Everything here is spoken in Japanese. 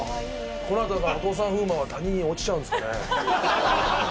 この後お父さん風磨は谷に落ちちゃうんですかね。